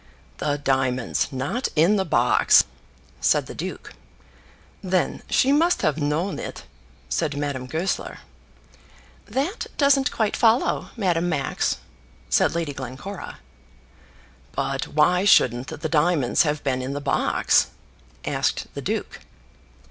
"The diamonds not in the box!" said the duke. "Then she must have known it," said Madame Goesler. "That doesn't quite follow, Madame Max," said Lady Glencora. "But why shouldn't the diamonds have been in the box?" asked the duke.